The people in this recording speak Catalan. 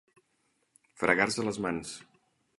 Fregar-se les mans.